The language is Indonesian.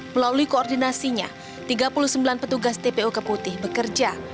melalui koordinasinya tiga puluh sembilan petugas tpu keputih bekerja